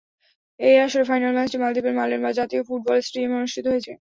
এই আসরে ফাইনাল ম্যাচটি মালদ্বীপের মালের জাতীয় ফুটবল স্টেডিয়ামে অনুষ্ঠিত হয়েছে।